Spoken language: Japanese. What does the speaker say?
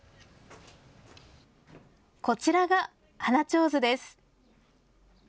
こちらが、花ちょうずです。